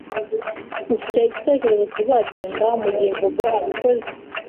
Ufite igitekerezo kizagenda mugihe Bobo abikoze?